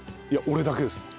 いや俺だけです。